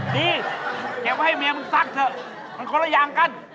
เก็บไว้ให้เมียมึงซักเถอะมันคนละอย่างกัน